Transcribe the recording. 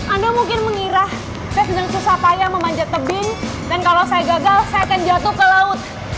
anda mungkin mengira saya sedang susah payah memanjat tebing dan kalau saya gagal saya akan jatuh ke laut